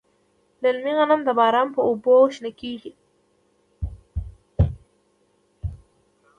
للمي غنم د باران په اوبو شنه کیږي.